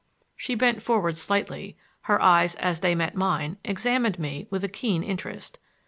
She bent forward slightly; her eyes, as they met mine, examined me with a keen interest.